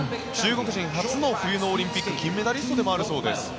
中国人初の冬のオリンピック金メダリストでもあるそうです。